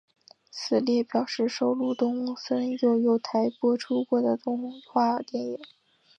此列表示收录东森幼幼台播出过的动画电影。